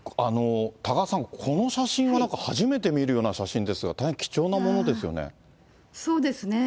多賀さん、この写真はなんか初めて見るような写真ですが、大変貴重なものでそうですね。